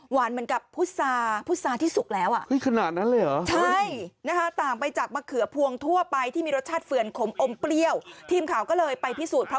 เหมือนกับพุษาพุษาที่สุกแล้ว